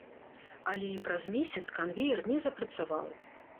Але і праз месяц канвеер не запрацаваў.